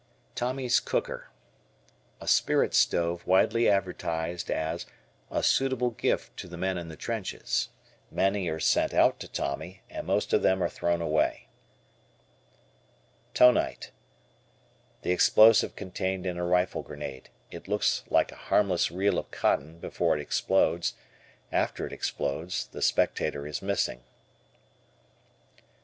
Tommy's Cooker. A spirit stove widely advertised as "A suitable gift to the men in the trenches." Many are sent out to Tommy and most of them are thrown away. Tonite. The explosive contained in a rifle grenade. It looks like a harmless reel of cotton before it explodes, after it explodes the spectator is missing.